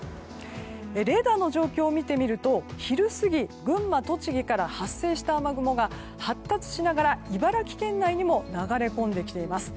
レーダーの状況を見ると昼過ぎ群馬、栃木から発生した雨雲が発達しながら茨城県内にも流れ込んでいます。